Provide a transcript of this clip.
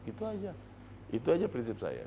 itu aja itu aja prinsip saya